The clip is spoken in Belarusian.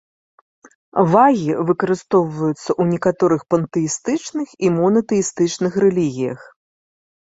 Вагі выкарыстоўваюцца ў некаторых пантэістычных і монатэістычных рэлігіях.